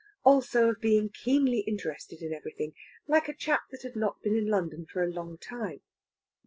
Also of being keenly interested in everything, like a chap that had not been in London for a long time.